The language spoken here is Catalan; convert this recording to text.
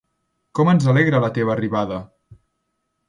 Com ens alegra la teva arribada!